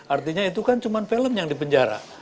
artinya itu kan cuma film yang dipenjara